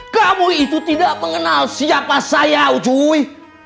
kamu itu tidak mengenal siapa saya ujui